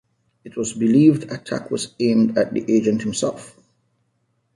It was believed attack was aimed at the agent himself.